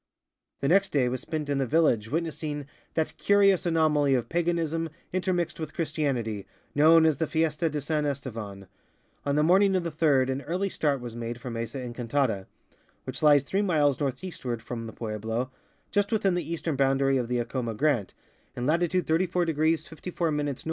The next day was spent in the village witnessing that curious anomal}^ of paganism intermixed with Christianity, known as the Fiesta de San Estevan, On the morning of the 3d an early start was made for Mesa Encantada, which lies three miles northeast ward from the pueblo, just within the eastern boundary of the Acoma grant, in latitude 34° 54' N.